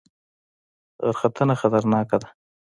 غرختنه خطرناکه ده؟